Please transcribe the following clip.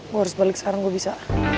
gue harus balik sekarang gue bisa